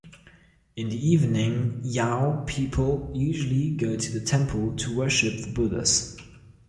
In the evening lao people usually go to the temple to worship the Buddhas.